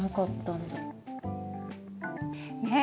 ねえ。